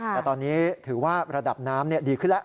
แต่ตอนนี้ถือว่าระดับน้ำดีขึ้นแล้ว